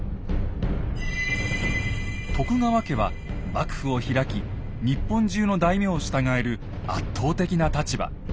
徳川家は幕府を開き日本中の大名を従える圧倒的な立場。